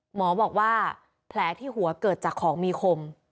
หมอบอกว่าแผลที่หัวเกิดจากของมีคม